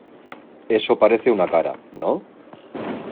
eso parece una cara, ¿ no?